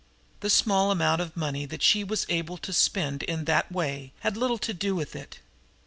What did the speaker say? The small amount of money that she was able to spend in that way had little to do with it.